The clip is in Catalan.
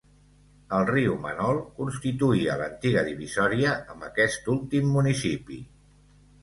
El riu Manol constituïa l'antiga divisòria amb aquest últim municipi.